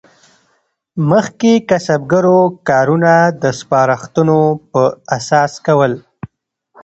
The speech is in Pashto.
مخکې کسبګرو کارونه د سپارښتونو پر اساس کول.